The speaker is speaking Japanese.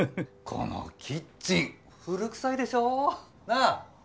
このキッチン古くさいでしょ？なぁ？